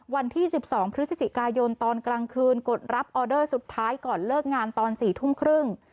วันที่๑๒พฤศจิกายนตอนกลางคืนกดรับออเดอร์สุดท้ายก่อนเลิกงานตอน๔ทุ่มครึ่ง